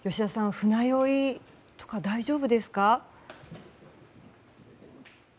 船酔いとか大丈夫ですか？